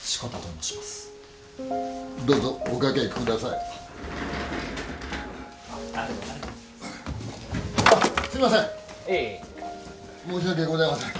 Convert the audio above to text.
申し訳ございません。